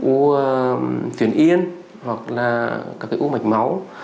u thuyền yên hoặc là các cái u mạch máu